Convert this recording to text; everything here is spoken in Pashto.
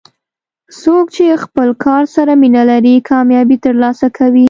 څوک چې خپل کار سره مینه لري، کامیابي ترلاسه کوي.